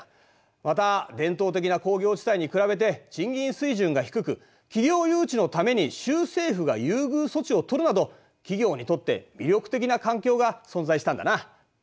また伝統的な工業地帯に比べて賃金水準が低く企業誘致のために州政府が優遇措置をとるなど企業にとって魅力的な環境が存在したんだな。